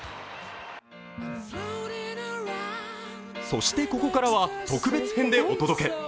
そして、ここからは特別編でお届け！